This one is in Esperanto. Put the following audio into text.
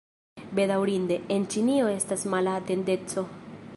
Bedaŭrinde, en Ĉinio estas mala tendenco.